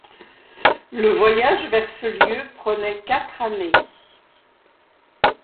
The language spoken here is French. Le voyage vers ce lieu prenait quatre années.